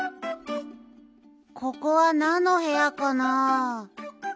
ここはなんのへやかな？